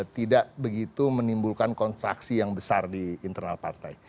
tidak begitu menimbulkan kontraksi yang besar di internal partai